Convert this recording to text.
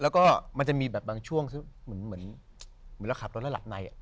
แล้วก็มันจะมีแบบบางช่วงเหมือนเราขับรถแล้วหลับใน